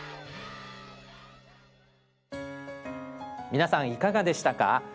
皆さんいかがでしたか？